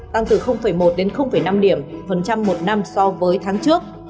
tăng từ một đến năm điểm phần trăm một năm so với tháng trước